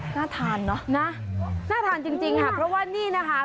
น่าทานเนอะนะน่าทานจริงค่ะเพราะว่านี่นะคะ